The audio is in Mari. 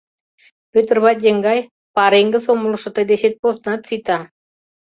Пӧтыр вате еҥгай, пареҥге сомылышо тый дечет поснат сита.